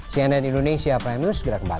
cnn indonesia prime news segera kembali